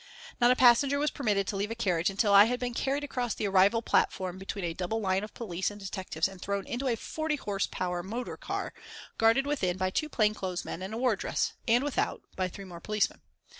Not a passenger was permitted to leave a carriage until I had been carried across the arrival platform between a double line of police and detectives and thrown into a forty horse power motor car, guarded within by two plain clothes men and a wardress, and without by three more policemen.